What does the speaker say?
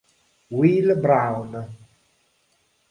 Will Brown